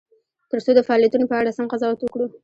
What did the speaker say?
ترڅو د فعالیتونو په اړه سم قضاوت وکړو.